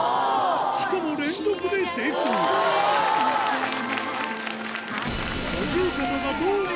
しかも連続で成功スゴい！